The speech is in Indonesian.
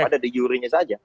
kalau tidak bisa saja